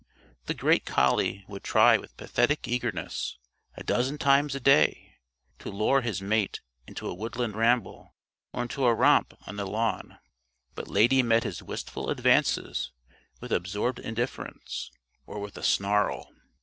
The great collie would try with pathetic eagerness, a dozen times a day, to lure his mate into a woodland ramble or into a romp on the lawn, but Lady met his wistful advances with absorbed indifference or with a snarl.